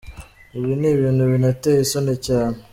Ibi ni ibintu binateye isoni cyane.